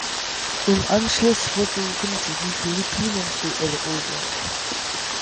Im Anschluss versuchen sie die Philippinen zu erobern.